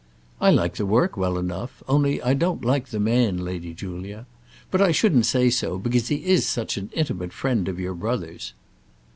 "I like the work well enough; only I don't like the man, Lady Julia. But I shouldn't say so, because he is such an intimate friend of your brother's."